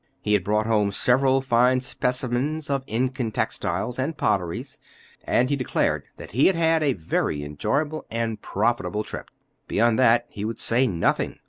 He had brought home several fine specimens of Incan textiles and potteries: and he declared that he had had a very enjoyable and profitable trip. Beyond that he would say nothing.